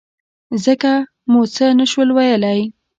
ځکه مو څه نه شول ویلای.